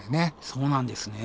そうなんですね。